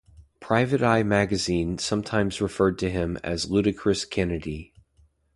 "Private Eye" magazine sometimes referred to him as 'Ludicrous Kennedy'.